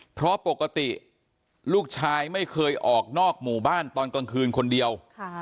เพราะปกติลูกชายไม่เคยออกนอกหมู่บ้านตอนกลางคืนคนเดียว